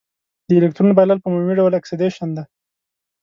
د الکترون بایلل په عمومي ډول اکسیدیشن دی.